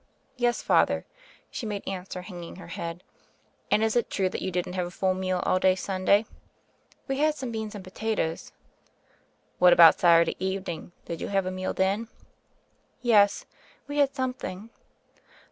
"Yes, Father," she made answer, hanging her head. "And, is it true that you didn't have a full meal all day Sunday?" "We had some beans and potatoes." "What about Saturday evening. Did you have a meal then." "Yes, we had sometKing."